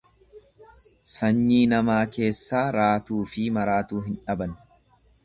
Sanyii namaa keessaa raatuufi maraatuu hin dhaban.